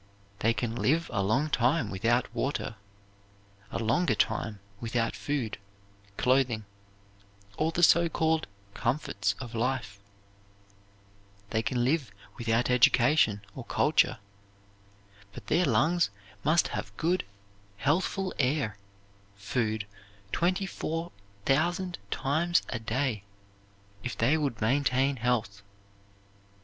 They can live a long time without water, a longer time without food, clothing, or the so called comforts of life; they can live without education or culture, but their lungs must have good, healthful air food twenty four thousand times a day if they would maintain health.